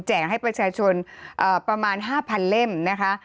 ให้ประชาชนประมาณ๕๐๐เล่มนะคะ